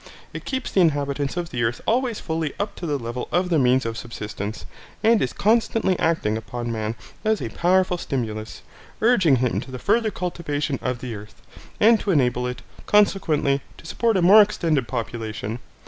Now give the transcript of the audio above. It keeps the inhabitants of the earth always fully up to the level of the means of subsistence; and is constantly acting upon man as a powerful stimulus, urging him to the further cultivation of the earth, and to enable it, consequently, to support a more extended population.